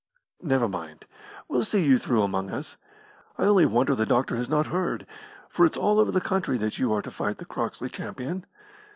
"Never mind. We'll see you through among us. I only wonder the doctor has not heard, for it's all over the country that you are to fight the Croxley Champion.